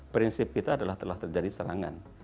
prinsip kita adalah telah terjadi serangan